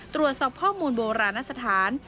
ตรวจสอบข้อมูลโบราณสถาน